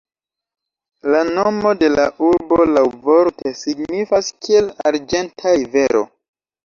La nomo de la urbo laŭvorte signifas kiel "arĝenta rivero".